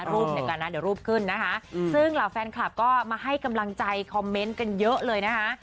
รูปในก่อนนะเดี๋ยวรูปขึ้นนะฮะซึ่งหลังแฟนคลาบมาให้กำลังใจคอมเม้นต์กันเยอะเลยนะฮะ